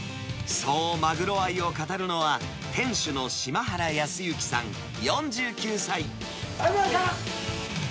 そうマグロ愛を語るのは、ありがとうございました！